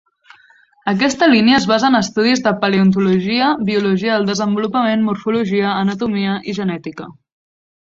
Aquesta línia es basa en estudis de paleontologia, biologia del desenvolupament, morfologia, anatomia i genètica.